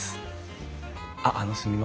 あっあのすみません。